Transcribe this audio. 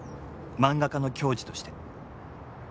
漫画家の矜持として。